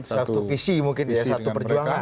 satu visi mungkin ya satu perjuangan